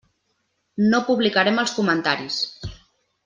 No publicarem els comentaris.